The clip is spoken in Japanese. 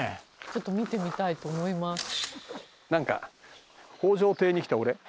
「ちょっと見てみたいと思います」なんか北条邸に来た俺。